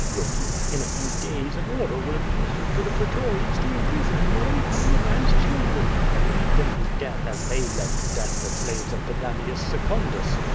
Look you, in a few days an order will be issued to the pretorians to imprison men, women and children, and lead them to death as they led to death the slaves of Pedanius Se cundus.